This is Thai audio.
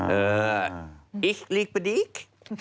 เอ่ออิ๊กลีกปะดิ๊ก